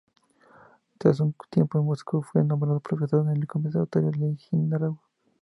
Tras un tiempo en Moscú, fue nombrado profesor en el Conservatorio de Leningrado.